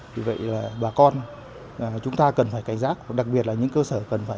vì vậy bà con chúng ta cần phải cảnh giác đặc biệt là những cơ sở cần phải